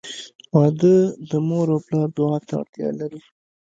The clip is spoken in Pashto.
• واده د مور او پلار دعا ته اړتیا لري.